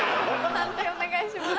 判定お願いします。